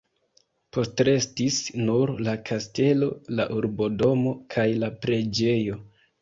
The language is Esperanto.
Postrestis nur la kastelo, la urbodomo kaj la preĝejo.